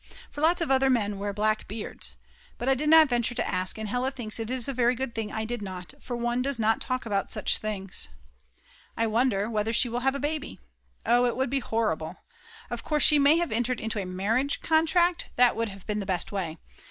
For lots of other men wear black beards. But I did not venture to ask, and Hella thinks it is a very good thing I did not, for one does not talk about such things. I wonder whether she will have a baby? Oh, it would be horrible. Of course she may have entered into a marriage contract, that would have been the best way.